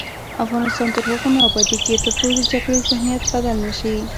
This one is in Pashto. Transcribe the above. افغانستان تر هغو نه ابادیږي، ترڅو د جګړې ذهنیت بدل نه شي.